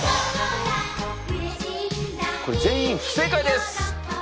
これ全員不正解です！